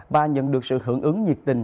và nhận được sự hưởng ứng nhiệt tình